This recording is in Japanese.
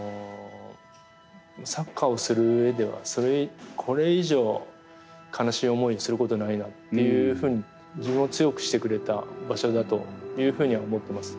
サッカーをする上ではこれ以上悲しい思いすることないなっていうふうに自分を強くしてくれた場所だというふうには思ってます。